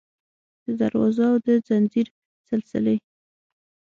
د دروازو او د ځنځیر سلسلې